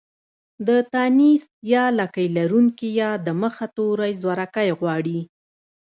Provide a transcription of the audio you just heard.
د تانيث يا لکۍ لرونکې ۍ د مخه توری زورکی غواړي.